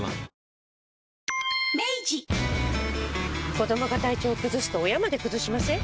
子どもが体調崩すと親まで崩しません？